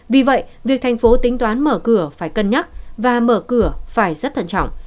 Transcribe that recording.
vì vậy việc thành phố tính toán mở cửa phải cân nhắc và mở cửa phải rất thận trọng